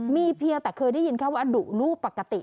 มีเพียงแต่เคยได้ยินแค่ว่าดุลูกปกติ